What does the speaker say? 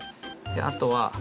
あとは。